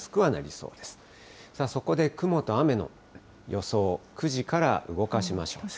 そこで雲と雨の予想、９時から動かしましょう。